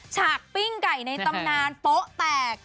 ฉากปิ้งไก่ในตำนานโป๊ะแตก